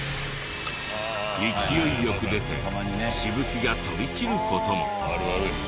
勢いよく出てしぶきが飛び散る事も。